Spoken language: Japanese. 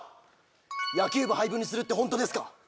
野球部廃部にするってホントですか？